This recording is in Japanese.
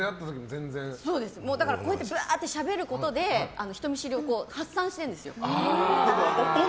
こうやってぶわっとしゃべることで人見知りを発散してるんですよ。